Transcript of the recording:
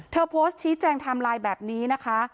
โพสต์ชี้แจงไทม์ไลน์แบบนี้นะคะ